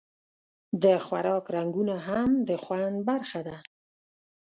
د خوراک رنګونه هم د خوند برخه ده.